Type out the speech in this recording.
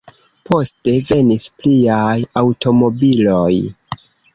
Poste venis pliaj aŭtomobiloj.